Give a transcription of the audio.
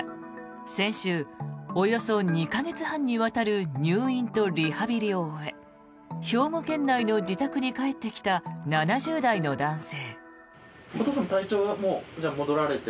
先週、およそ２か月半にわたる入院とリハビリを終え兵庫県内の自宅に帰ってきた７０代の男性。